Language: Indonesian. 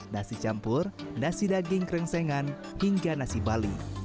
nasi campur nasi daging krengsengan hingga nasi bali